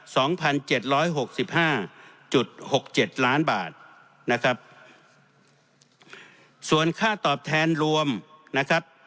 สองพันเจ็ดร้อยหกสิบห้าจุดหกเจ็ดล้านบาทนะครับส่วนค่าตอบแทนรวมนะครับ